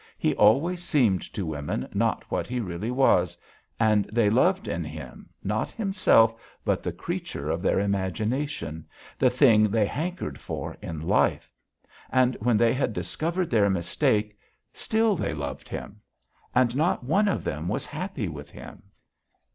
He always seemed to women not what he really was, and they loved in him, not himself, but the creature of their imagination, the thing they hankered for in life, and when they had discovered their mistake, still they loved him. And not one of them was happy with him.